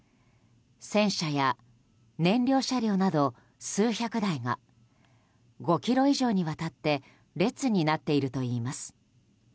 戦車や燃料車両など数百台が５ｋｍ以上にわたって列になっているといいます。